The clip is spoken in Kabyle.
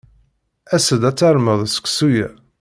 As-d ad tarmed seksu-a.